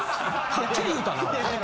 はっきり言うた。